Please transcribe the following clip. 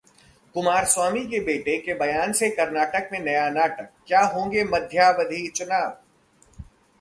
कुमारस्वामी के बेटे के बयान से कर्नाटक में नया नाटक, क्या होंगे मध्यावधि चुनाव?